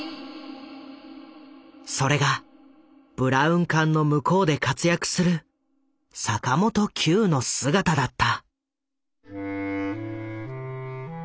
それがブラウン管の向こうで活躍する坂本九の姿だった。